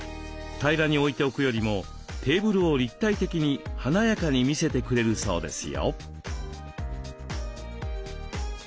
平らに置いておくよりもテーブルを立体的に華やかに見せてくれるそうですよ。